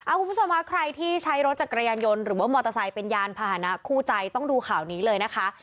คุณผู้ชมค่ะใครที่ใช้รถจักรยานยนต์หรือว่ามอเตอร์ไซค์เป็นยานพาหนะคู่ใจต้องดูข่าวนี้เลยนะคะ